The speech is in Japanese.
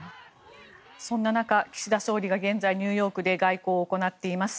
そんな中、岸田総理が現在、ニューヨークで外交を行っています。